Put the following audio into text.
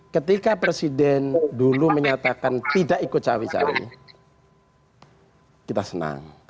ketika presiden dulu menyatakan tidak ikut cawe cawe kita senang